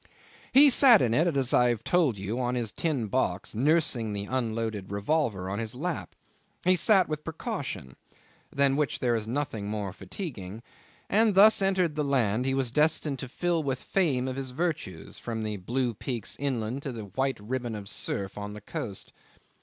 'He sat in it, as I've told you, on his tin box, nursing the unloaded revolver on his lap. He sat with precaution than which there is nothing more fatiguing and thus entered the land he was destined to fill with the fame of his virtues, from the blue peaks inland to the white ribbon of surf on the coast.